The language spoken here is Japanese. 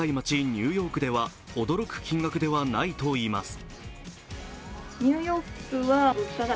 ニューヨークでは驚く金額ではないといいます。